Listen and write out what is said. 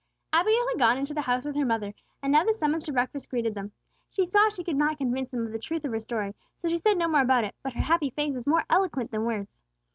Abigail had gone into the house with her mother, and now the summons to breakfast greeted them. She saw she could not convince them of the truth of her story, so she said no more about it; but her happy face was more eloquent than words.